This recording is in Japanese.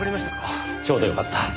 ああちょうどよかった。